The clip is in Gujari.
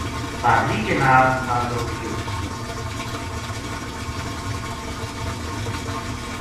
بھادری کے نال مقابلو کیو۔